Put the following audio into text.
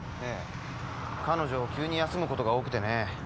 彼女急に休むことが多くてね。